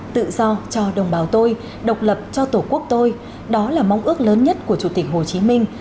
tự do cho đồng bào tôi độc lập cho tổ quốc tôi đó là mong ước lớn nhất của chủ tịch hồ chí minh